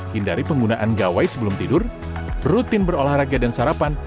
hindari penggunaan gawai sebelum tidur rutin berolahraga dan sarapan